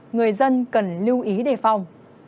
người dân cần lưu ý đề phòng